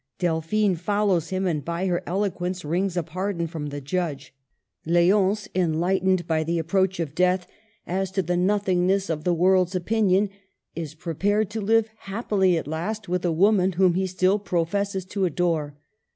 Delphine follows him, and by her elo quence wrings a pardon from the judge. L6once, enlightened by the approach of death as to the nothingness of the world's opinion, is prepared to live happily at last with the woman whom he still professes to adore.